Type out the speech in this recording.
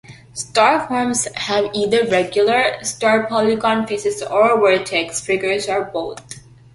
Star forms have either regular star polygon faces or vertex figures or both.